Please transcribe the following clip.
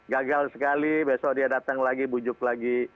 gagal sekali besok dia datang lagi bujuk lagi